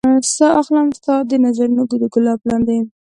ساه اخلم ستا د نظرونو د ګلاب لاندې